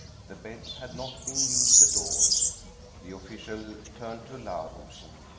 The bed had not been used at all. The official turned to Lahusen.